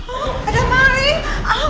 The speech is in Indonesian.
oh ada maling